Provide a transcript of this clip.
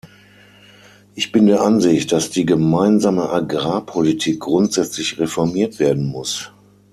Ich bin der Ansicht, dass die Gemeinsame Agrarpolitik grundsätzlich reformiert werden muss.